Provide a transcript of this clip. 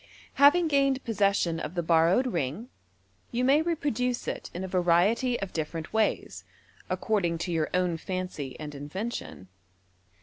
Having gained possession of the borrowed ring, you may repro duce it in a variety of different ways, according to your own fancy and invention.